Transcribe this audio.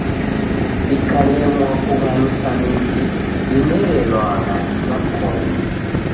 Dikalemwa kughalusa miji dimerelwagha ni makongo.